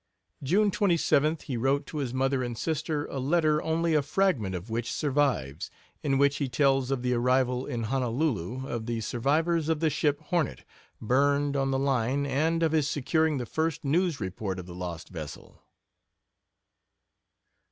June 27th he wrote to his mother and sister a letter, only a fragment of which survives, in which he tells of the arrival in Honolulu of the survivors of the ship Hornet, burned on the line, and of his securing the first news report of the lost vessel.